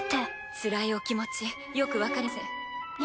つらいお気持ちよくわかります。